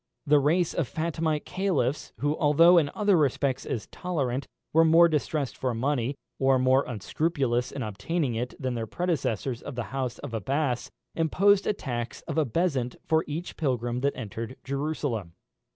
The race of Fatemite caliphs, who, although in other respects as tolerant, were more distressed for money, or more unscrupulous in obtaining it, than their predecessors of the house of Abbas, imposed a tax of a bezant for each pilgrim that entered Jerusalem.